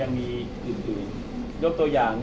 ก็ยังมียกตัวอย่าง